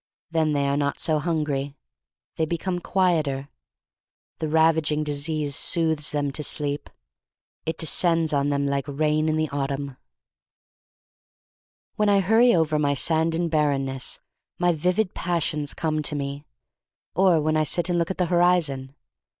Then they are not so hilngiy. They become quieter. The ravaging disease soothes them to sleep — it descends on them like rain in the autumn. 268 THE STORY OF MARY MAC LANE When I hurry over my sand and bar renness my vivid passions come to me — or when I sit and look at the horizon.